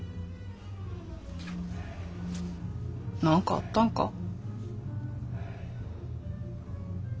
何かあったんか？